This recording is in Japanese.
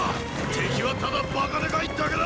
敵はただバカでかいだけだ！